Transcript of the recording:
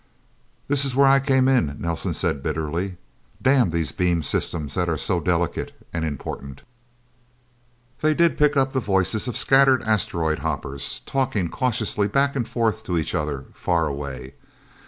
"This is where I came in," Nelsen said bitterly. "Damn these beam systems that are so delicate and important!" They did pick up the voices of scattered asteroid hoppers, talking cautiously back and forth to each other, far away.